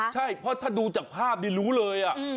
ใช่เพราะถ้าดูจากภาพนี้รู้เลย